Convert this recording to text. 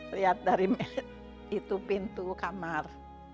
lihat dari itu pintu kamar